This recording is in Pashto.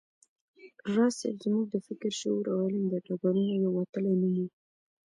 راز صيب زموږ د فکر، شعور او علم د ډګرونو یو وتلی نوم و